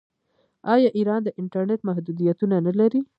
آیا ایران د انټرنیټ محدودیتونه نلري؟